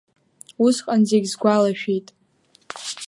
Усҟан зегь сгәалашәеит…